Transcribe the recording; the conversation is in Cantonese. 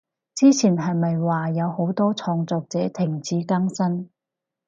之前係咪話有好多創作者停止更新？